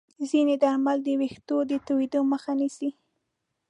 ځینې درمل د ویښتو د توییدو مخه نیسي.